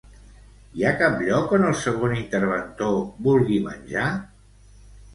Hi ha cap lloc on el segon interventor vulgui menjar?